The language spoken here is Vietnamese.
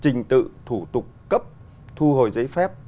trình tự thủ tục cấp thu hồi giấy phép